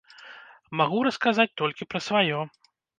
Магу расказаць толькі пра сваё.